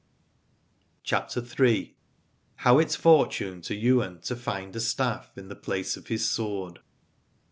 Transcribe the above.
13 CHAPTER III. HOW IT FORTUNED TO YWAIN TO FIND A STAFF IN THE PLACE OF HIS SWORD.